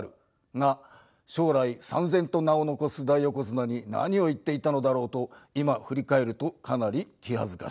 が将来さん然と名を残す大横綱に何を言っていたのだろうと今振り返るとかなり気恥ずかしい。